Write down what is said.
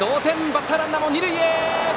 バッターランナーも二塁へ。